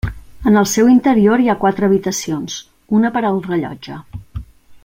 En el seu interior hi ha quatre habitacions, una per al rellotge.